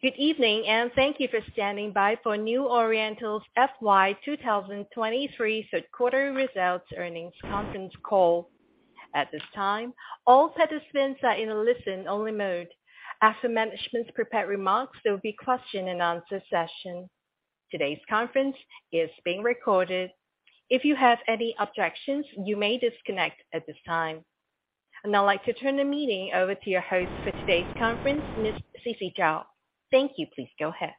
Good evening and thank you for standing by for New Oriental's FY 2023 third quarter results earnings conference call. At this time, all participants are in a listen-only mode. After management's prepared remarks, there will be Q&A session. Today's conference is being recorded. If you have any objections, you may disconnect at this time. I'd like to turn the meeting over to your host for today's conference, Ms. Sisi Zhao. Thank you. Please go ahead.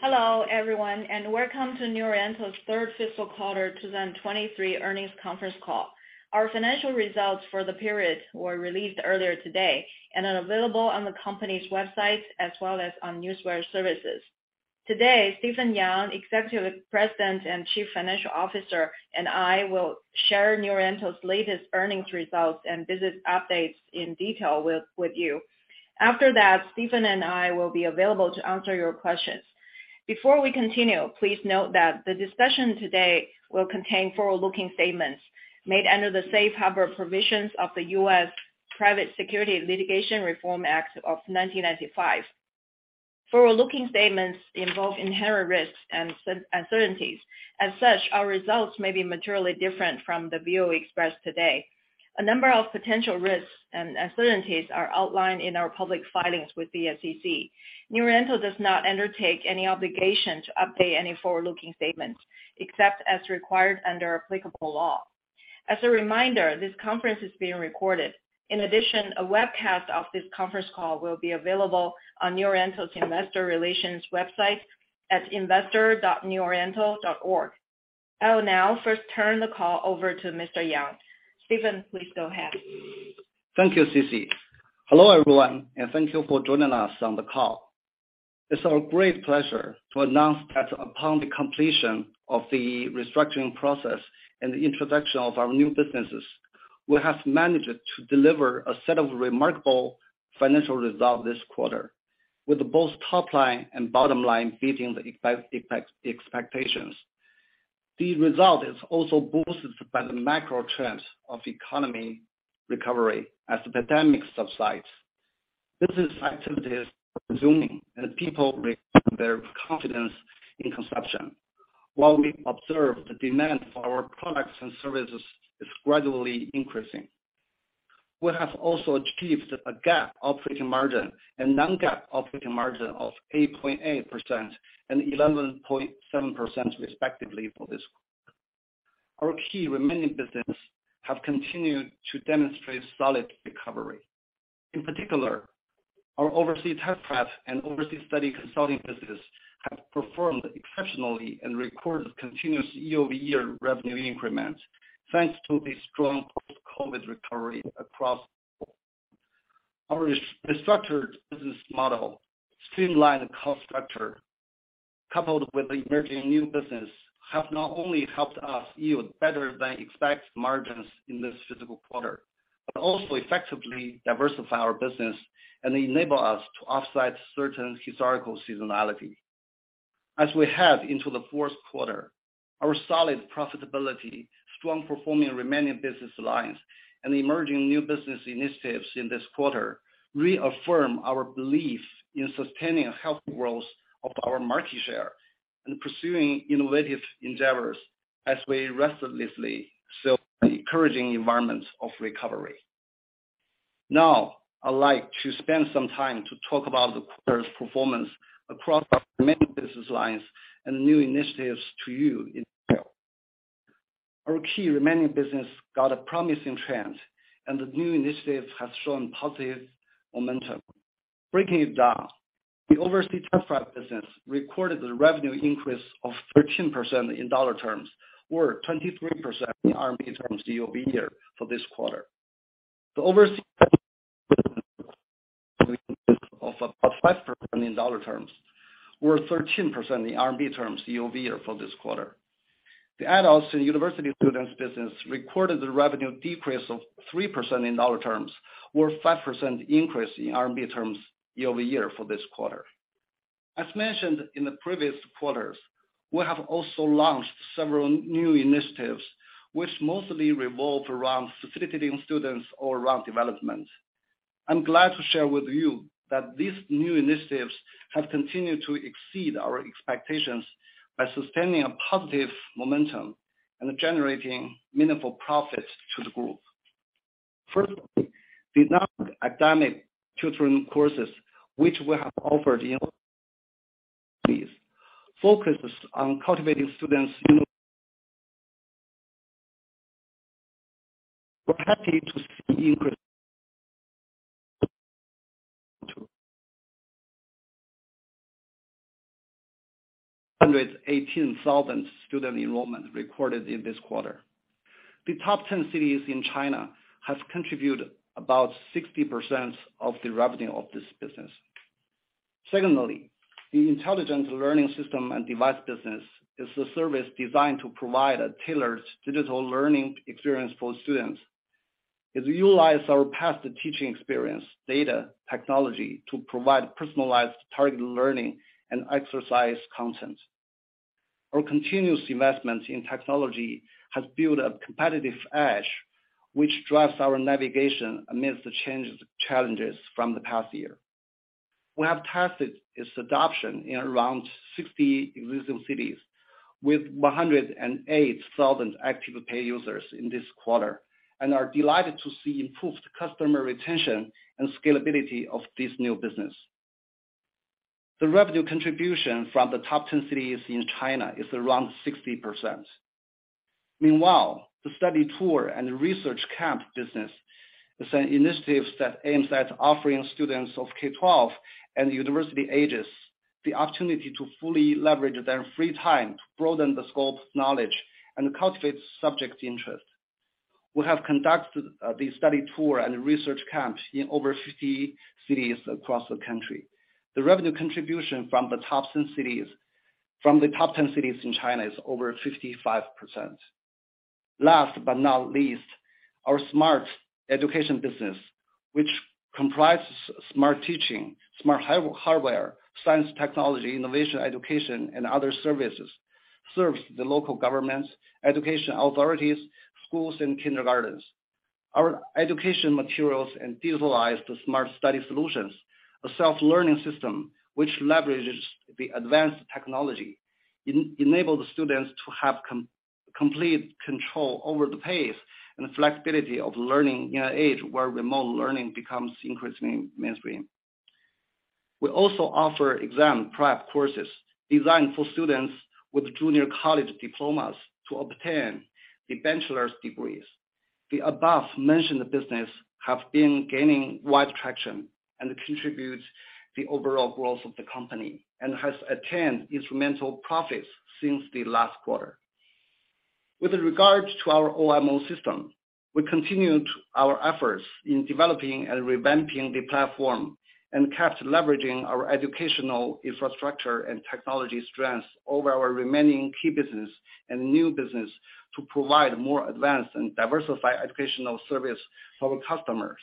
Hello, everyone, and welcome to New Oriental's third fiscal quarter 2023 earnings conference call. Our financial results for the period were released earlier today and are available on the company's website as well as on newswire services. Today, Stephen Yang, Executive President and Chief Financial Officer, and I will share New Oriental's latest earnings results and business updates in detail with you. After that, Stephen and I will be available to answer your questions. Before we continue, please note that the discussion today will contain forward-looking statements made under the safe harbor provisions of the U.S. Private Securities Litigation Reform Act of 1995. Forward-looking statements involve inherent risks and uncertainties. Our results may be materially different from the view expressed today. A number of potential risks and uncertainties are outlined in our public filings with the SEC. New Oriental does not undertake any obligation to update any forward-looking statements, except as required under applicable law. As a reminder, this conference is being recorded. In addition, a webcast of this conference call will be available on New Oriental's investor relations website at investor.neworiental.org. I will now first turn the call over to Mr. Yang. Stephen, please go ahead. Thank you, Sisi. Hello, everyone, and thank you for joining us on the call. It's our great pleasure to announce that upon the completion of the restructuring process and the introduction of our new businesses, we have managed to deliver a set of remarkable financial results this quarter, with both top line and bottom line beating the expectations. The result is also boosted by the macro trends of economy recovery as the pandemic subsides. Business activity is resuming and people regain their confidence in consumption. While we observe the demand for our products and services is gradually increasing, we have also achieved a GAAP operating margin and non-GAAP operating margin of 8.8% and 11.7% respectively for this quarter. Our key remaining business have continued to demonstrate solid recovery. In particular, our overseas test prep and overseas study consulting business have performed exceptionally and recorded continuous year-over-year revenue increments, thanks to the strong post-COVID recovery across the world. Our restructured business model, streamlined cost structure, coupled with the emerging new business, have not only helped us yield better-than-expected margins in this fiscal quarter, but also effectively diversify our business and enable us to offset certain historical seasonality. As we head into the fourth quarter, our solid profitability, strong performing remaining business lines, and emerging new business initiatives in this quarter reaffirm our belief in sustaining a healthy growth of our market share and pursuing innovative endeavors as we restlessly sail the encouraging environment of recovery. I'd like to spend some time to talk about the quarter's performance across our many business lines and new initiatives to you in detail. Our key remaining business got a promising trend, and the new initiatives have shown positive momentum. Breaking it down, the overseas test prep business recorded the revenue increase of 13% in dollar terms or 23% in RMB terms year-over-year for this quarter. The overseas- of about 5% in dollar terms or 13% in RMB terms year-over-year for this quarter. The adults and university students business recorded the revenue decrease of 3% in dollar terms or 5% increase in RMB terms year-over-year for this quarter. As mentioned in the previous quarters, we have also launched several new initiatives which mostly revolve around facilitating students or around development. I'm glad to share with you that these new initiatives have continued to exceed our expectations by sustaining a positive momentum and generating meaningful profits to the group. First, the non-academic tutoring courses which we have offered in focuses on cultivating students'. 118,000 student enrollment recorded in this quarter. The top 10 cities in China have contributed about 60% of the revenue of this business. Secondly, the intelligent learning system and device business is a service designed to provide a tailored digital learning experience for students. It utilize our past teaching experience, data, technology, to provide personalized targeted learning and exercise content. Our continuous investments in technology has built a competitive edge, which drives our navigation amidst the challenges from the past year. We have tested its adoption in around 60 existing cities with 108,000 active pay users in this quarter, and are delighted to see improved customer retention and scalability of this new business. The revenue contribution from the top 10 cities in China is around 60%. Meanwhile, the study tour and research camp business is an initiative that aims at offering students of K-12 and university ages the opportunity to fully leverage their free time to broaden the scope of knowledge and cultivate subject interest. We have conducted the study tour and research camps in over 50 cities across the country. The revenue contribution from the top 10 cities in China is over 55%. Last but not least, our smart education business, which comprises smart teaching, smart hardware, science, technology, innovation, education, and other services, serves the local governments, education authorities, schools and kindergartens. Our education materials and digitalized smart study solutions, a self-learning system which leverages the advanced technology enable the students to have complete control over the pace and flexibility of learning in an age where remote learning becomes increasingly mainstream. We also offer exam prep courses designed for students with junior college diplomas to obtain the bachelor's degrees. The above-mentioned business have been gaining wide traction and contributes the overall growth of the company, and has attained instrumental profits since the last quarter. With regards to our OMO system, we continued our efforts in developing and revamping the platform, and kept leveraging our educational infrastructure and technology strengths over our remaining key business and new business to provide more advanced and diversified educational service for our customers.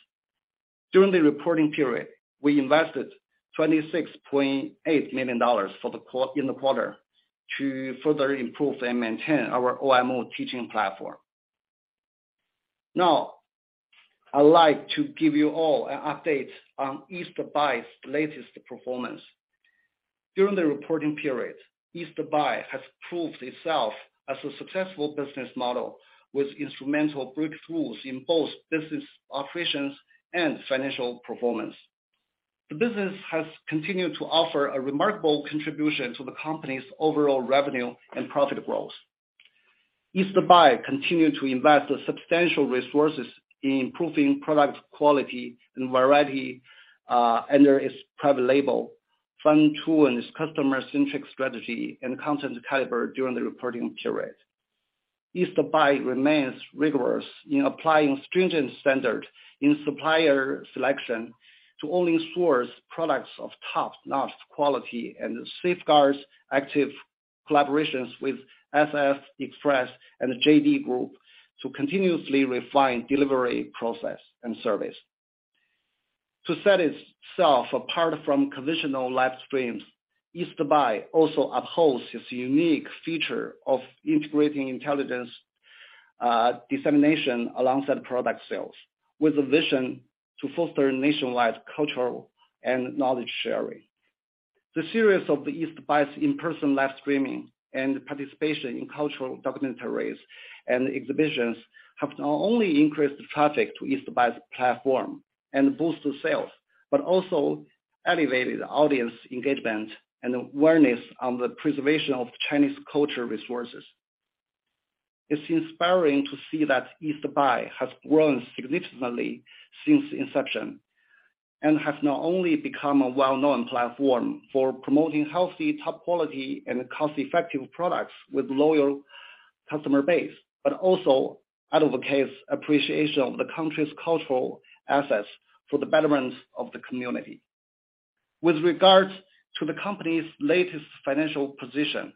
During the reporting period, we invested $26.8 million in the quarter to further improve and maintain our OMO teaching platform. Now, I'd like to give you all an update on East Buy's latest performance. During the reporting period, East Buy has proved itself as a successful business model with instrumental breakthroughs in both business operations and financial performance. The business has continued to offer a remarkable contribution to the company's overall revenue and profit growth. East Buy continued to invest substantial resources in improving product quality and variety under its private label, uncertain and its customer-centric strategy and content caliber during the reporting period. East Buy remains rigorous in applying stringent standard in supplier selection to only source products of top-notch quality and safeguards active collaborations with SF Express and JD Group to continuously refine delivery process and service. To set itself apart from conventional live streams, East Buy also upholds its unique feature of integrating intelligence, dissemination alongside product sales, with a vision to foster nationwide cultural and knowledge sharing. The series of the East Buy's in-person live streaming and participation in cultural documentaries and exhibitions have not only increased traffic to East Buy's platform and boosted sales, but also elevated audience engagement and awareness on the preservation of Chinese culture resources. It's inspiring to see that East Buy has grown significantly since inception, and has not only become a well-known platform for promoting healthy, top-quality, and cost-effective products with loyal customer base, but also advocates appreciation of the country's cultural assets for the betterment of the community. With regards to the company's latest financial position,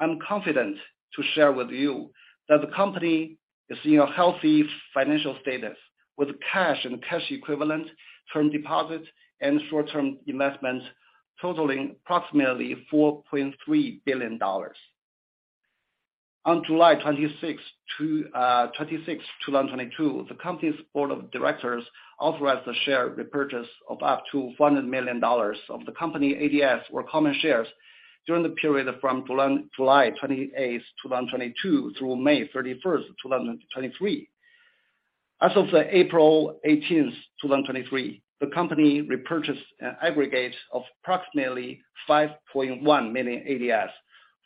I'm confident to share with you that the company is in a healthy financial status, with cash and cash equivalents, term deposits, and short-term investments totaling approximately $4.3 billion. On July 26, 2022, the company's board of directors authorized the share repurchase of up to $100 million of the company ADS or common shares during the period from July 28, 2022 through May 31, 2023. As of April 18, 2023, the company repurchased an aggregate of approximately $5.1 million ADS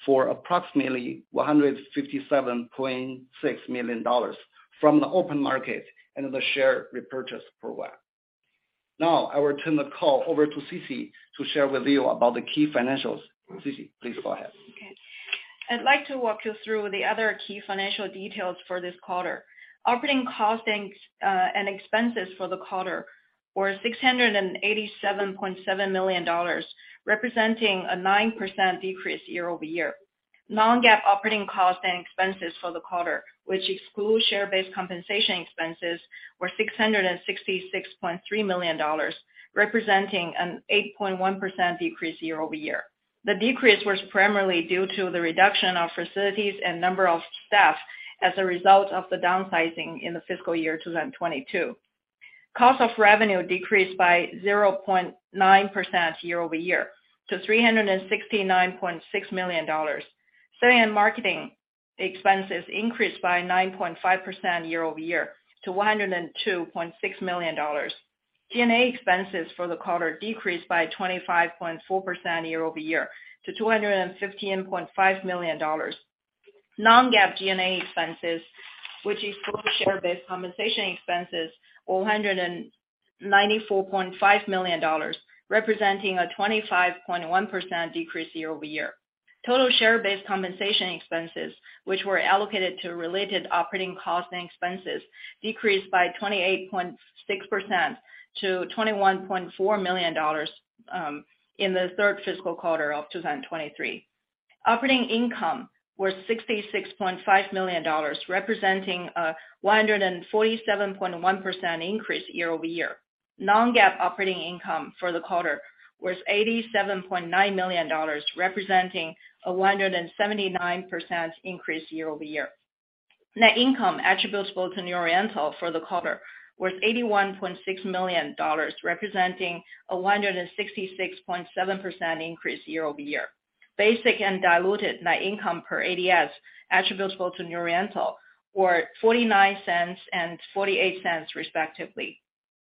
for approximately $157.6 million from the open market under the share repurchase program. Now, I will turn the call over to Sisi to share with you about the key financials. Sisi, please go ahead. Okay. I'd like to walk you through the other key financial details for this quarter. Operating costs and expenses for the quarter were $687.7 million, representing a 9% decrease year-over-year. Non-GAAP operating costs and expenses for the quarter, which exclude share-based compensation expenses, were $666.3 million, representing an 8.1% decrease year-over-year. The decrease was primarily due to the reduction of facilities and number of staff as a result of the downsizing in the fiscal year 2022. Cost of revenue decreased by 0.9% year-over-year to $369.6 million. Selling and marketing expenses increased by 9.5% year-over-year to $102.6 million. G&A expenses for the quarter decreased by 25.4% year-over-year to $215.5 million. Non-GAAP G&A expenses, which includes share-based compensation expenses, $194.5 million, representing a 25.1% decrease year-over-year. Total share-based compensation expenses, which were allocated to related operating costs and expenses, decreased by 28.6% to $21.4 million in the third fiscal quarter of 2023. Operating income was $66.5 million, representing a 147.1% increase year-over-year. Non-GAAP operating income for the quarter was $87.9 million, representing a 179% increase year-over-year. Net income attributable to New Oriental for the quarter was $81.6 million, representing a 166.7% increase year-over-year. Basic and diluted net income per ADS attributable to New Oriental were $0.49 and $0.48 respectively.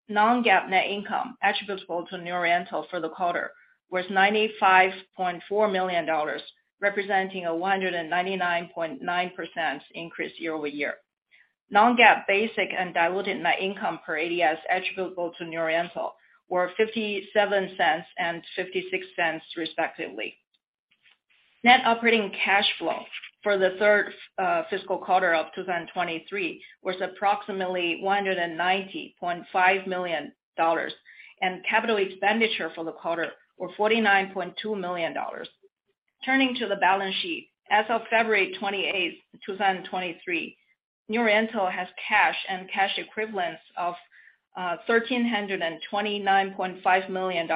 Non-GAAP net income attributable to New Oriental for the quarter was $95.4 million, representing a 199.9% increase year-over-year. Non-GAAP basic and diluted net income per ADS attributable to New Oriental were $0.57 and $0.56 respectively. Net operating cash flow for the third fiscal quarter of 2023 was approximately $190.5 million, and capital expenditure for the quarter were $49.2 million. Turning to the balance sheet. As of February 28, 2023, New Oriental has cash and cash equivalents of $1,329.5 million.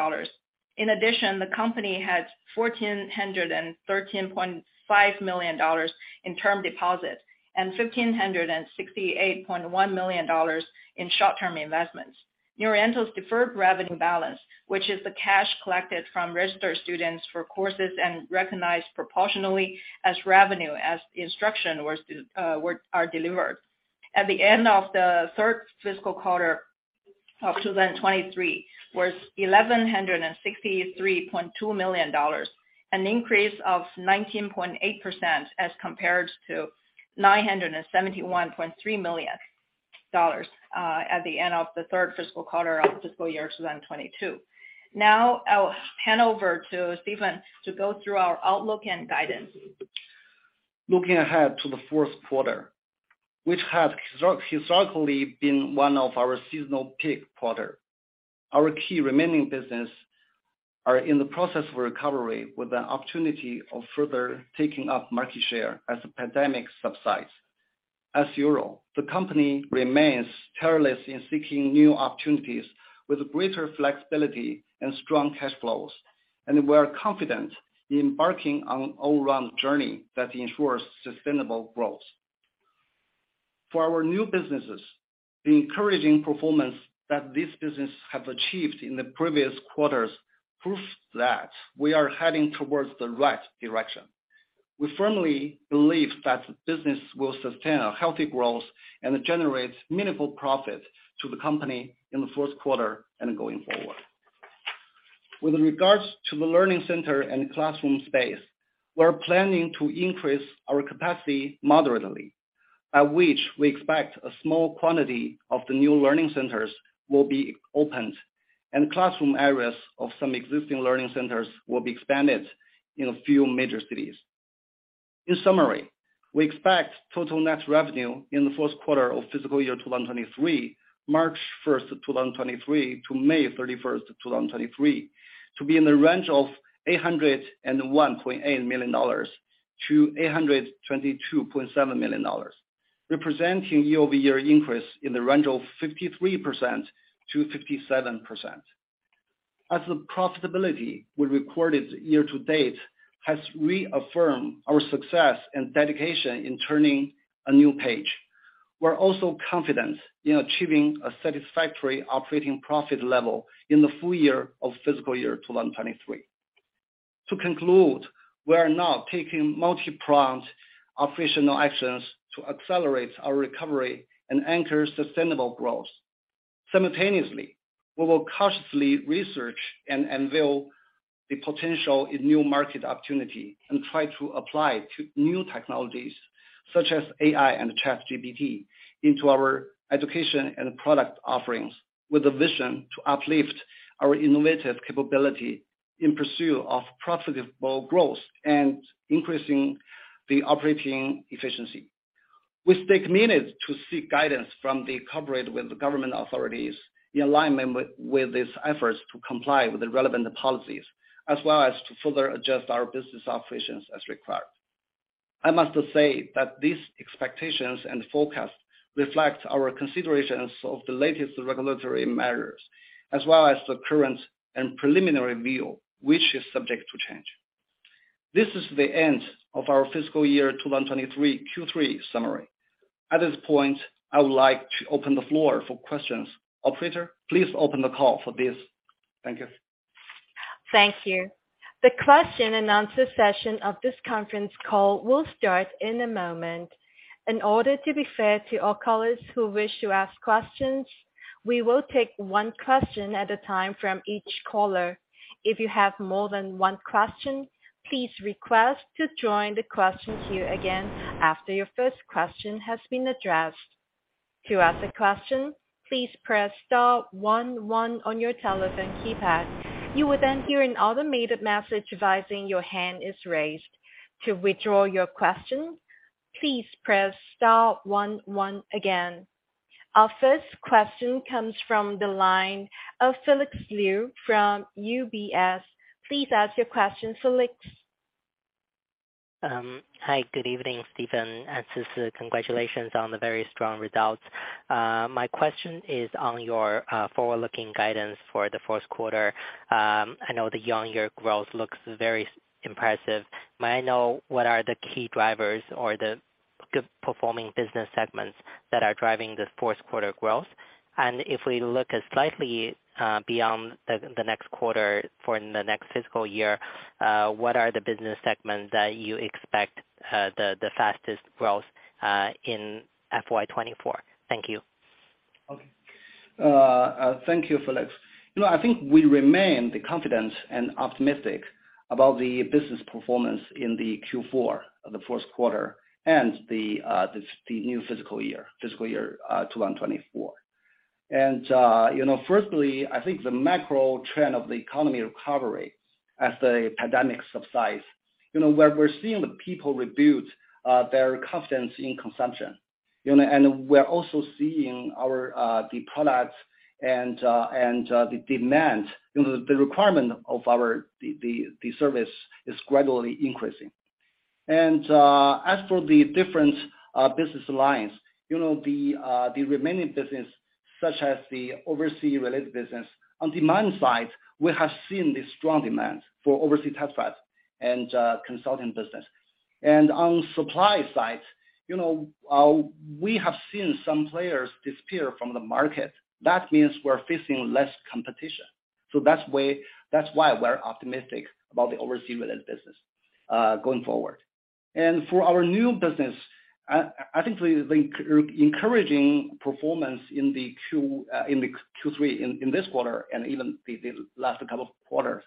In addition, the company has $1,413.5 million in term deposits and $1,568.1 million in short-term investments. New Oriental's deferred revenue balance, which is the cash collected from registered students for courses and recognized proportionally as revenue as the instruction was delivered. At the end of the third fiscal quarter of 2023 was $1,163.2 million, an increase of 19.8% as compared to $971.3 million at the end of the third fiscal quarter of fiscal year 2022. I'll hand over to Stephen to go through our outlook and guidance. Looking ahead to the fourth quarter, which has historically been one of our seasonal peak quarter. Our key remaining business are in the process of recovery with the opportunity of further taking up market share as the pandemic subsides. As usual, the company remains tireless in seeking new opportunities with greater flexibility and strong cash flows. We are confident in embarking on an all-around journey that ensures sustainable growth. For our new businesses, the encouraging performance that these businesses have achieved in the previous quarters proves that we are heading towards the right direction. We firmly believe that business will sustain a healthy growth and generate meaningful profit to the company in the fourth quarter and going forward. With regards to the learning center and classroom space, we're planning to increase our capacity moderately, at which we expect a small quantity of the new learning centers will be opened and classroom areas of some existing learning centers will be expanded in a few major cities. In summary, we expect total net revenue in the first quarter of fiscal year 2023, March 1st, 2023 to May 31st, 2023, to be in the range of $801.8 million to $822.7 million, representing year-over-year increase in the range of 53%-57%. As the profitability we recorded year to date has reaffirmed our success and dedication in turning a new page, we're also confident in achieving a satisfactory operating profit level in the full year of fiscal year 2023. To conclude, we are now taking multi-pronged operational actions to accelerate our recovery and anchor sustainable growth. Simultaneously, we will cautiously research and unveil the potential in new market opportunity and try to apply new technologies such as AI and ChatGPT into our education and product offerings with a vision to uplift our innovative capability in pursuit of profitable growth and increasing the operating efficiency. We stay committed to seek guidance from the corporate with the government authorities in alignment with these efforts to comply with the relevant policies, as well as to further adjust our business operations as required. I must say that these expectations and forecasts reflect our considerations of the latest regulatory measures, as well as the current and preliminary view, which is subject to change. This is the end of our fiscal year 2023 Q3 summary. At this point, I would like to open the floor for questions. Operator, please open the call for this. Thank you. Thank you. The Q&A session of this conference call will start in a moment. In order to be fair to all callers who wish to ask questions, we will take one question at a time from each caller. If you have more than one question, please request to join the question queue again after your first question has been addressed. To ask a question, please press star one one on your telephone keypad. You will hear an automated message advising your hand is raised. To withdraw your question, please press star one one again. Our first question comes from the line of Felix Liu from UBS. Please ask your question, Felix. Hi. Good evening, Stephen and Sisi. Congratulations on the very strong results. My question is on your forward-looking guidance for the 4th quarter. I know the year-on-year growth looks very impressive. May I know what are the key drivers or the good performing business segments that are driving the 4th quarter growth? If we look at slightly beyond the next quarter for the next fiscal year, what are the business segments that you expect the fastest growth in FY 2024? Thank you. Okay. Thank you, Felix. You know, I think we remain the confident and optimistic about the business performance in the Q4, the first quarter and the new fiscal year 2024. You know, firstly, I think the macro trend of the economy recovery as the pandemic subsides, you know, where we're seeing the people rebuild their confidence in consumption, you know. We're also seeing our the products and and the demand, you know, the requirement of the service is gradually increasing. As for the different business lines, you know, the remaining business such as the oversea related business, on demand side, we have seen the strong demand for oversea test prep and consulting business. On supply side, you know, we have seen some players disappear from the market. That means we're facing less competition. That's why we're optimistic about the overseas related business going forward. For our new business, the encouraging performance in the Q3 in this quarter and even the last couple of quarters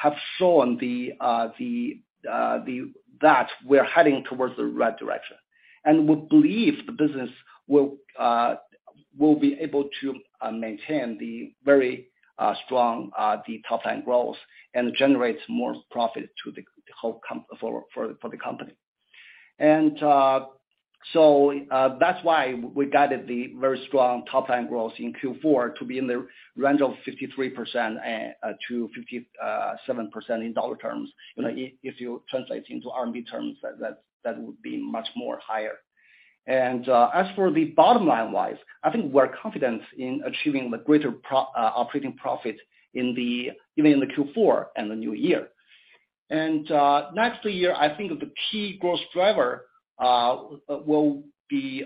have shown that we're heading towards the right direction. We believe the business will be able to maintain the very strong top-line growth and generates more profit to the whole company. That's why we guided the very strong top line growth in Q4 to be in the range of 53% to 57% in dollar terms. You know, if you translate into RMB terms, that would be much more higher. As for the bottom line-wise, I think we're confident in achieving the greater operating profit even in the Q4 and the new year. Next year, I think the key growth driver will be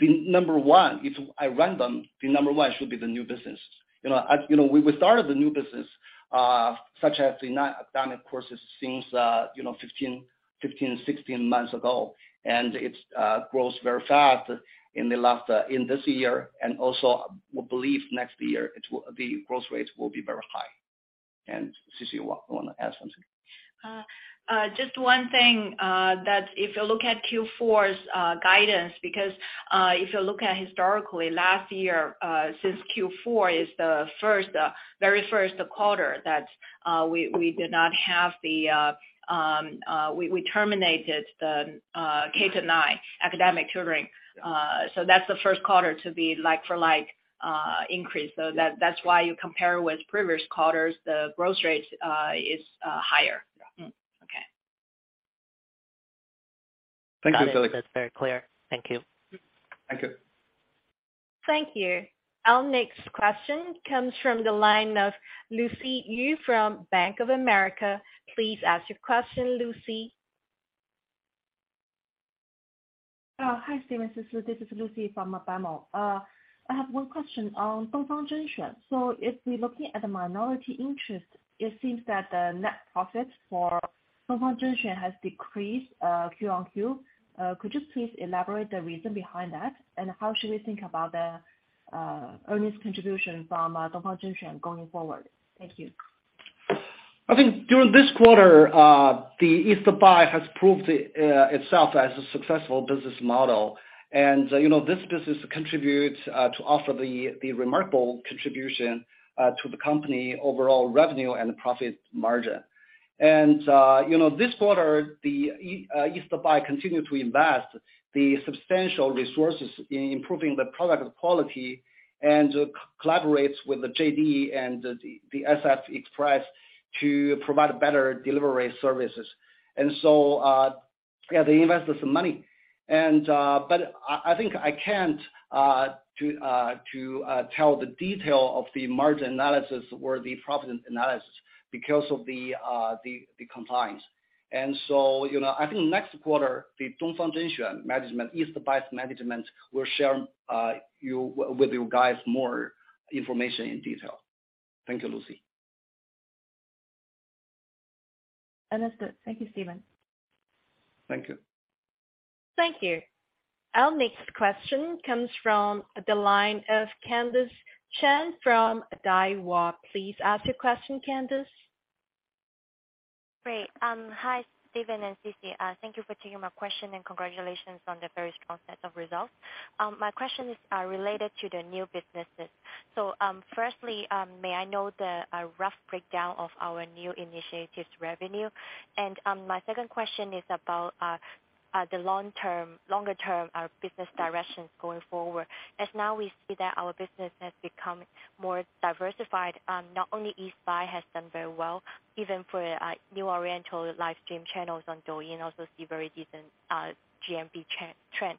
the number one. If I run them, the number one should be the new business. You know, we started the new business, such as the dynamic courses since, you know, 15, 16 months ago, and it's grows very fast in the last in this year. Also, we believe next year the growth rates will be very high. Sisi, wanna add something? Just one thing, that if you look at Q4's guidance, because if you look at historically, last year, since Q4 is the first, very first quarter that we terminated the K-9 academic tutoring. That's the first quarter to be like for like increase. That's why you compare with previous quarters, the growth rates is higher. Yeah. Mm-hmm. Okay. Thank you, Felix. Got it. That's very clear. Thank you. Thank you. Thank you. Our next question comes from the line of Lucy Li from BMO. Please ask your question, Lucy. Hi, Stephen and Sisi. This is Lucy from BMO. I have one question on Dongfang Zhenxuan. If we're looking at the minority interest, it seems that the net profits for Dongfang Zhenxuan has decreased Q-on-Q. Could you please elaborate the reason behind that, and how should we think about the earnings contribution from Dongfang Zhenxuan going forward? Thank you. I think during this quarter, the East Buy has proved itself as a successful business model. You know, this business contributes to offer the remarkable contribution to the company overall revenue and profit margin. You know, this quarter, East Buy continued to invest the substantial resources in improving the product quality and collaborates with the JD and the SF Express to provide better delivery services. Yeah, they invested some money. But I think I can't tell the detail of the margin analysis or the profit analysis because of the compliance. You know, I think next quarter, the Dongfang Zhenxuan management, East Buy management will share with you guys more information in detail. Thank you, Lucy. Understood. Thank you, Stephen. Thank you. Thank you. Our next question comes from the line of Candis Chan from Daiwa. Please ask your question, Candice. Great. Hi, Stephen and Sisi. Thank you for taking my question, and congratulations on the very strong set of results. My question is related to the new businesses. Firstly, may I know the rough breakdown of our new initiatives revenue? My second question is about the longer term business directions going forward. As now we see that our business has become more diversified, not only East Buy has done very well, even for New Oriental Livestream channels on Douyin also see very decent GMV trend.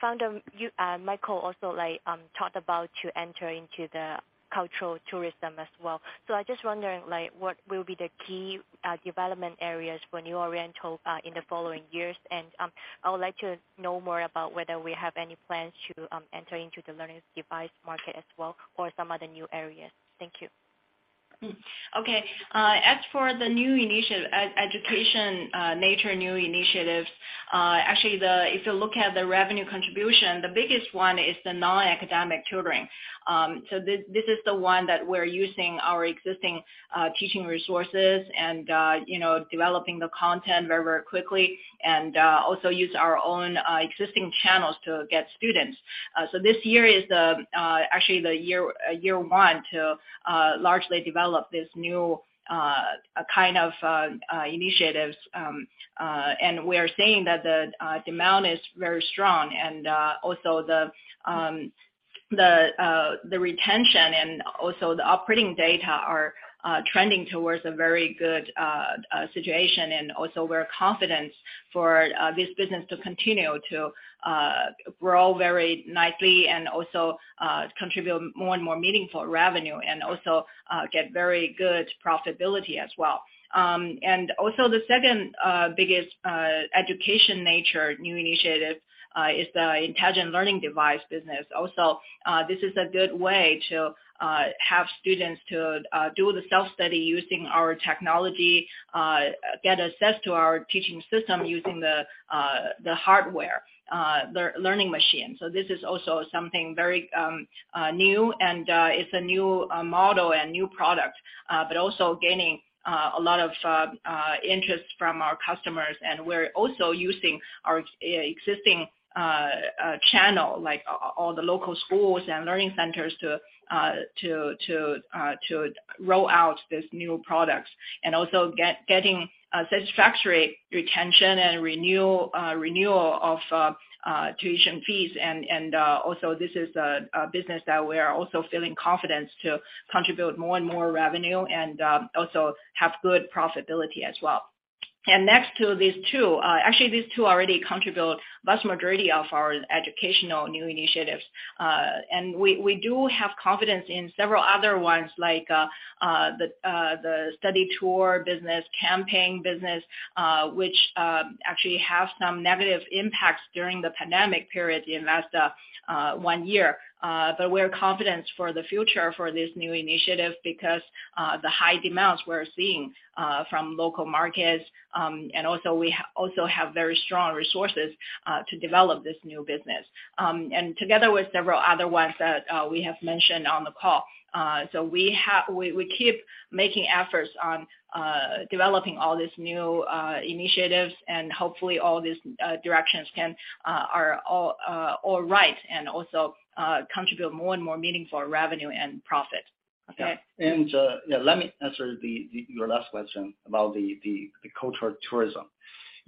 Founder, Yu, Michael also like talked about to enter into the cultural tourism as well. I just wondering, like, what will be the key development areas for New Oriental in the following years, and I would like to know more about whether we have any plans to enter into the learnings device market as well or some other new areas? Thank you. Okay. As for the new initiative, education, nature new initiatives, actually if you look at the revenue contribution, the biggest one is the non-academic tutoring. This, this is the one that we're using our existing teaching resources and, you know, developing the content very, very quickly, and also use our own existing channels to get students. This year is the actually the year one to largely develop this new kind of initiatives. We're seeing that the demand is very strong and also the retention and also the operating data are trending towards a very good situation. Also we're confident for this business to continue to grow very nicely and also contribute more and more meaningful revenue and also get very good profitability as well. Also the second biggest education nature new initiative is the intelligent learning device business. Also this is a good way to have students to do the self-study using our technology, get access to our teaching system using the hardware learning machine. This is also something very new and is a new model and new product, but also gaining a lot of interest from our customers. We're also using our existing channel, like all the local schools and learning centers to roll out these new products. Also getting satisfactory retention and renewal of tuition fees. Also this is a business that we are also feeling confidence to contribute more and more revenue and also have good profitability as well. Next to these two. Actually, these two already contribute vast majority of our educational new initiatives. We do have confidence in several other ones like the study tour business, campaign business, which actually have some negative impacts during the pandemic period, the last one year. We're confident for the future for this new initiative because the high demands we're seeing from local markets, and also we also have very strong resources to develop this new business. Together with several other ones that we have mentioned on the call. We keep making efforts on developing all these new initiatives, and hopefully all these directions can are all all right and also contribute more and more meaningful revenue and profit. Okay. Yeah. Let me answer your last question about the cultural tourism.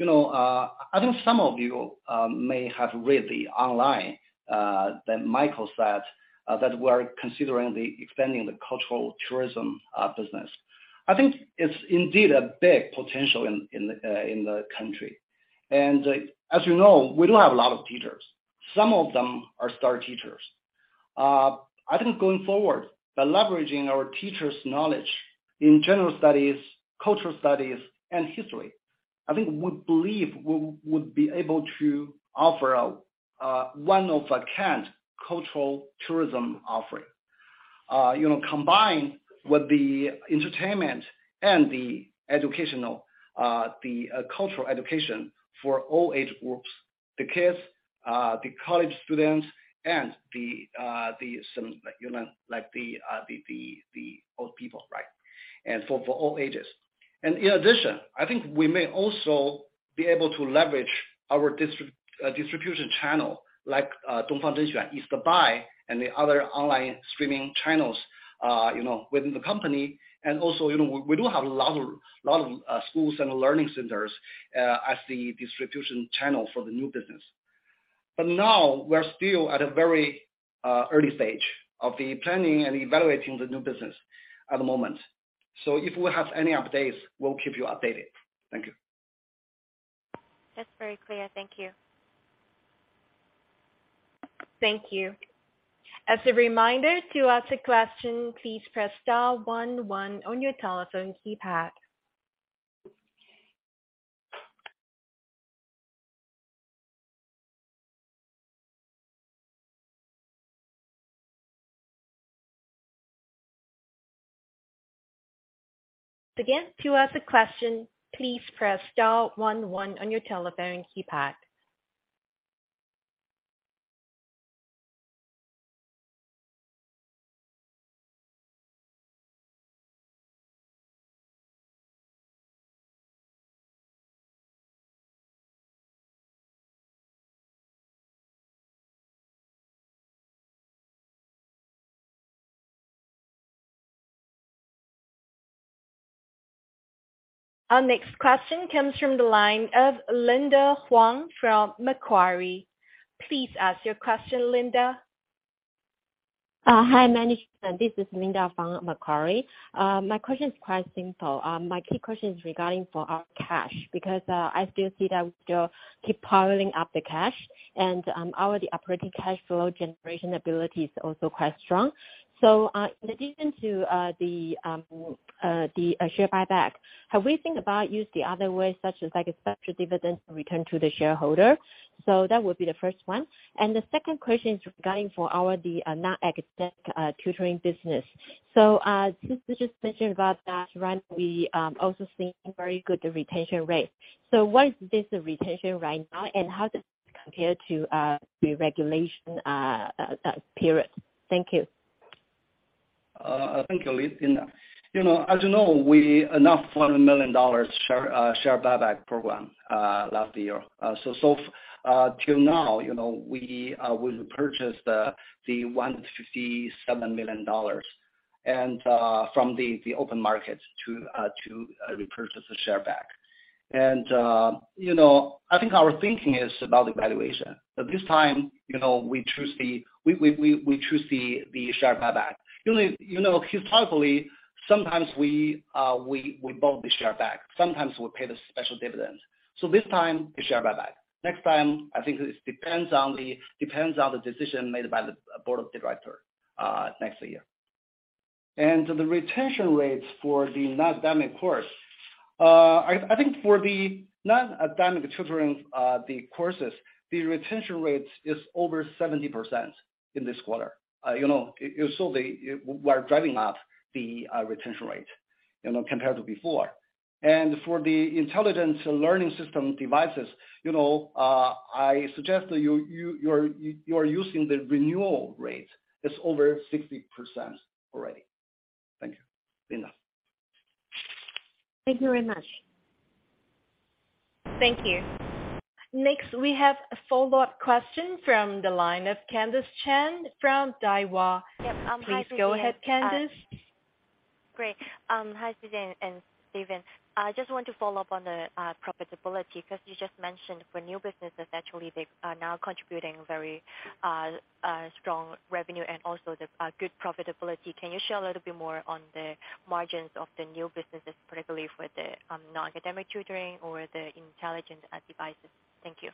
You know, I think some of you may have read the online that Michael said that we're considering the expanding the cultural tourism business. I think it's indeed a big potential in the country. As you know, we do have a lot of teachers. Some of them are star teachers. I think going forward, by leveraging our teachers' knowledge in general studies, cultural studies, and history, I think we believe we'd be able to offer a one of a kind cultural tourism offering. You know, combined with the entertainment and the educational, the cultural education for all age groups, the kids, the college students and the some, you know, like the old people, right? For all ages. In addition, I think we may also be able to leverage our distribution channel like Dongfang Zhenxuan, East Buy, and the other online streaming channels, you know, within the company. Also, you know, we do have a lot of, lot of schools and learning centers as the distribution channel for the new business. But now we're still at a very early stage of the planning and evaluating the new business at the moment. If we have any updates, we'll keep you updated. Thank you. That's very clear. Thank you. Thank you. As a reminder, to ask a question, please press star one one on your telephone keypad. Again, to ask a question, please press star one one on your telephone keypad. Our next question comes from the line of Linda Huang from Macquarie. Please ask your question, Linda. Hi, management. This is Linda Huang from Macquarie. My question is quite simple. My key question is regarding for our cash because I still see that we still keep piling up the cash and our, the operating cash flow generation ability is also quite strong. In addition to the share buyback, have we think about use the other way such as like a special dividend return to the shareholder? That would be the first one. The second question is regarding for our, the, non-academic tutoring business. Since you just mentioned about that, right, we also seeing very good retention rates. What is this retention right now, and how does this compare to the regulation period? Thank you. Thank you Linda. You know, as you know, we announced $100 million share buyback program last year. Till now, you know, we purchased $157 million from the open market to repurchase the share back. You know, I think our thinking is about evaluation. At this time, you know, we choose the share buyback. You know, historically, sometimes we bought the share back. Sometimes we pay the special dividends. This time the share buyback. Next time, I think it depends on the decision made by the board of director next year. The retention rates for the non-academic course. I think for the non-academic tutoring, the courses, the retention rate is over 70% in this quarter. you know, so they were driving up the retention rate, you know, compared to before. for the intelligent learning system devices, you know, I suggest you're using the renewal rate. It's over 60% already. Thank you, Linda. Thank you very much. Thank you. Next, we have a follow-up question from the line of Candis Chan from Daiwa. Yeah. Please go ahead, Candice. Great. Hi, Sisi and Stephen. I just want to follow up on the profitability, 'cause you just mentioned for new businesses, actually they are now contributing very strong revenue and also the good profitability. Can you share a little bit more on the margins of the new businesses, particularly for the non-academic tutoring or the intelligent devices? Thank you.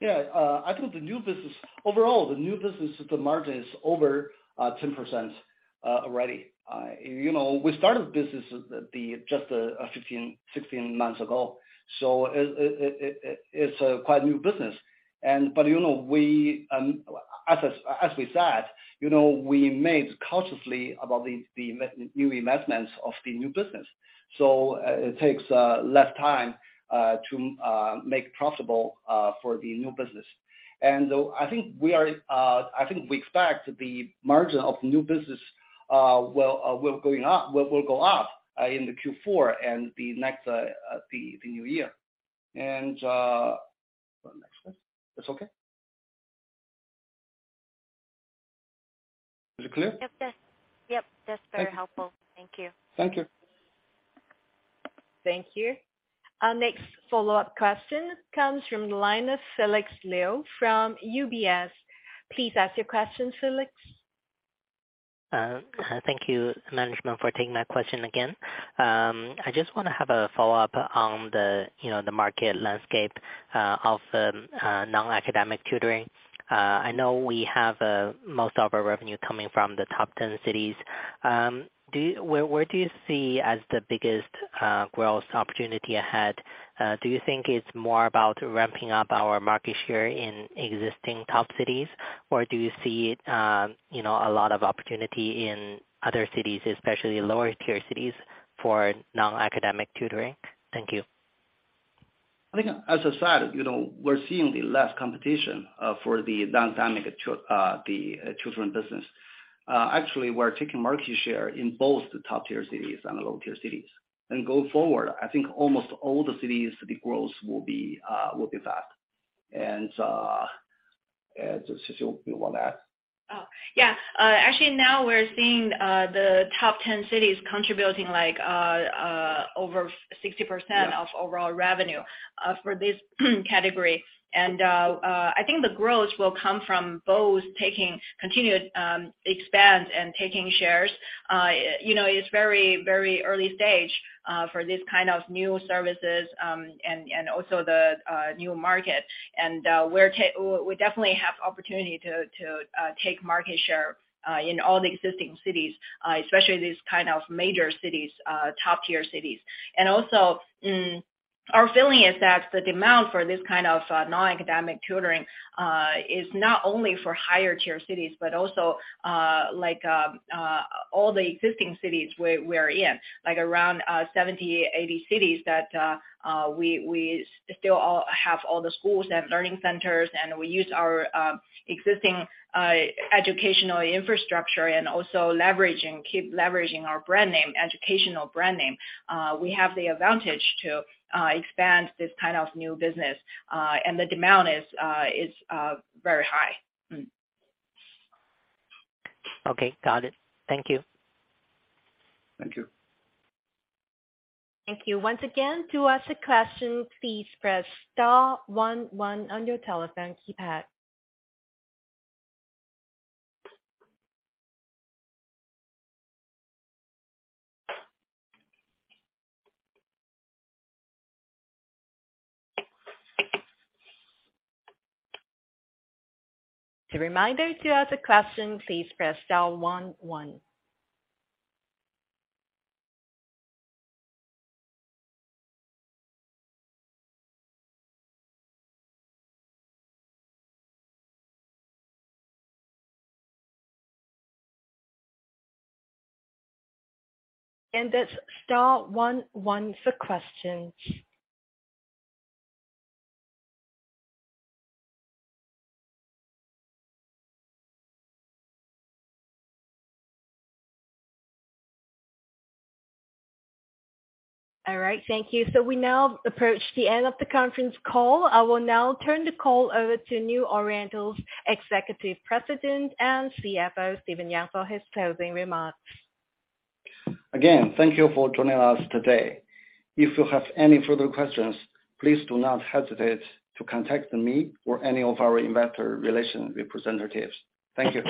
Yeah. I think the new business. Overall, the new business, the margin is over 10% already. You know, we started business at the, just, 15-16 months ago, so it's a quite new business. But, you know, we, as we said, you know, we made cautiously about the new investments of the new business. It takes less time to make profitable for the new business. Though I think we are, I think we expect the margin of new business will going up, will go up in the Q4 and the next the new year. Next one. That's okay? Is it clear? Yep. That's, yep, that's very helpful. Thank you. Thank you. Thank you. Our next follow-up question comes from the line of Felix Liu from UBS. Please ask your question, Felix. Thank you management for taking my question again. I just wanna have a follow-up on the, you know, the market landscape of non-academic tutoring. I know we have most of our revenue coming from the top 10 cities. Where do you see as the biggest growth opportunity ahead? Do you think it's more about ramping up our market share in existing top cities, or do you see, you know, a lot of opportunity in other cities, especially lower tier cities for non-academic tutoring? Thank you. I think as I said, you know, we're seeing the less competition for the non-academic tutoring business. Actually, we're taking market share in both the top-tier cities and the low-tier cities. Go forward, I think almost all the cities, the growth will be fast. Does Sisi you want to add? Oh, yeah. actually now we're seeing the top 10 cities contributing like over 60%. Yeah. Of overall revenue for this category. I think the growth will come from both taking continued expand and taking shares. You know, it's very, very early stage for this kind of new services and also the new market. We definitely have opportunity to take market share in all the existing cities, especially these kind of major cities, top-tier cities. Also, our feeling is that the demand for this kind of non-academic tutoring is not only for higher tier cities, but also like all the existing cities we're in. Like around 70, 80 cities that we still all have all the schools and learning centers, we use our existing educational infrastructure and also leveraging, keep leveraging our brand name, educational brand name. We have the advantage to expand this kind of new business. The demand is very high. Okay. Got it. Thank you. Thank you. Thank you. Once again, to ask a question, please press star one one on your telephone keypad. To remind you, to ask a question, please press star one one. It's star one one for questions. All right. Thank you. We now approach the end of the conference call. I will now turn the call over to New Oriental's Executive President and CFO, Stephen Yang, for his closing remarks. Again, thank you for joining us today. If you have any further questions, please do not hesitate to contact me or any of our investor relations representatives. Thank you.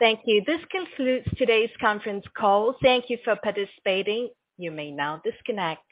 Thank you. This concludes today's conference call. Thank you for participating. You may now disconnect.